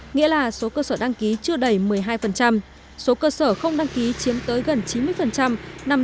nghĩa là số cơ sở đăng ký chưa đầy một mươi hai số cơ sở không đăng ký chiếm tới gần chín mươi nằm